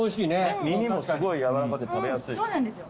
耳もすごい軟らかで食べやすい。